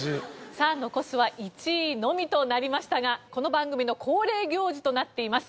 さあ残すは１位のみとなりましたがこの番組の恒例行事となっています